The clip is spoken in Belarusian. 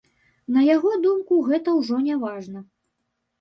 На яго думку, гэта ўжо не важна.